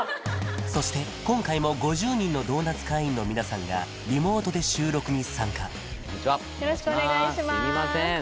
そして今回も５０人のドーナツ会員の皆さんがリモートで収録に参加こんにちはすみません何かよろしくお願いします